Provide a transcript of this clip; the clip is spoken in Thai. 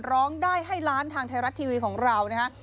ร้องได้ให้ล้านทางไทยรัฐทีวีของเรานะฮะ